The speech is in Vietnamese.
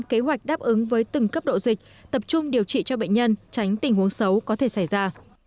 kế hoạch đáp ứng với từng cấp độ dịch tập trung điều trị cho bệnh nhân tránh tình huống xấu có thể xảy ra